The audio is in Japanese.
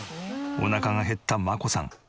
おなかが減った真子さん。